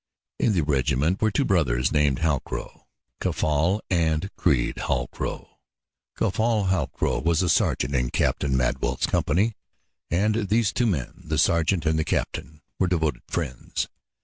In the regiment were two brothers named Halcrow Caffal and Creede Halcrow. Caffal Halcrow was a sergeant in Captain Madwell's company, and these two men, the sergeant and the captain, were devoted friends.